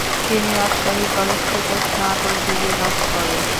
তিনি রাজশাহী কলেজ থেকে স্নাতক ডিগ্রী লাভ করেন।